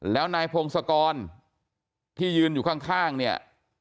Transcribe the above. แล้วนายพงศกรที่ยืนอยู่ข้างเนี่ย